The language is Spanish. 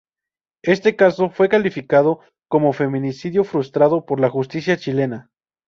Este caso fue calificado como femicidio frustrado por la justicia chilena.